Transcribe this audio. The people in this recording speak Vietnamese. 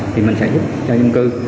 thì mình sẽ giúp cho dân cư